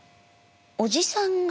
おじさんが。